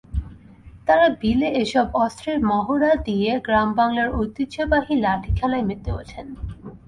তাঁরা বিলে এসব অস্ত্রের মহড়া দিয়ে গ্রামবাংলার ঐতিহ্যবাহী লাঠিখেলায় মেতে ওঠেন।